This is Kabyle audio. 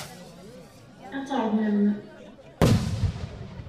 Ad tarmem.